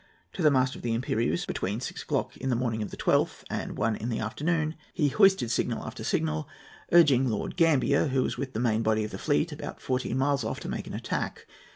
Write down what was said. To the mast of the Impérieuse, between six o'clock in the morning of the 12th and one in the afternoon, he hoisted signal after signal, urging Lord Gambier, who was with the main body of the fleet about fourteen miles off, to make an attack.